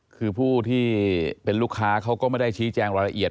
คือผู้ที่เป็นลูกค้าเขาก็ไม่ได้ชี้แจงรายละเอียด